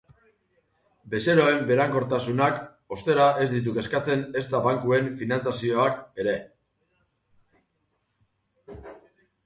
Bezeroen berankortasunak, ostera, ez ditu kezkatzen, ezta bankuen finantziazioak ere.